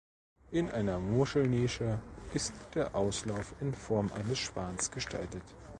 In einer Muschelnische ist der Auslauf in Form eines Schwans gestaltet.